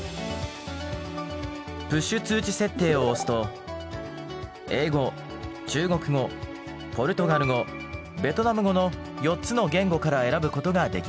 プッシュ通知設定を押すと英語中国語ポルトガル語ベトナム語の４つの言語から選ぶことができます。